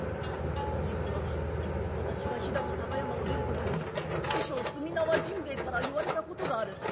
「実は私が飛騨の高山を出る時に師匠墨縄甚兵衛から言われたことがある。